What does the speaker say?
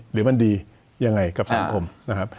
หรือมันดียังไงกับสังคมนะครับ